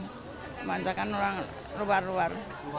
kebanyakan orang luar luar